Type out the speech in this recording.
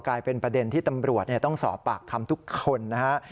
กลายเป็นประเด็นที่ตำรวจต้องสอบปากคำทุกคนนะฮะ